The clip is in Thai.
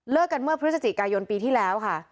กันเมื่อพฤศจิกายนปีที่แล้วค่ะ